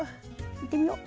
いってみよう。